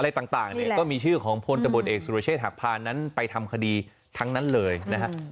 อะไรต่างเนี่ยก็มีชื่อของพลตำรวจเอกสุรเชษฐหักพานนั้นไปทำคดีทั้งนั้นเลยนะฮะ